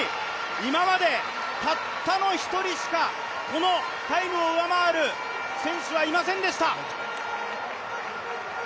今までたったの１人しかこのタイムを上回る選手はいませんでした。